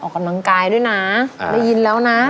ออกกำลังกายด้วยนะได้ยินแล้วนะ